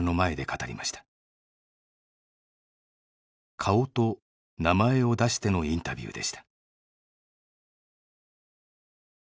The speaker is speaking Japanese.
顔と名前を出してのインタビューでした。